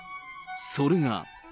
それが。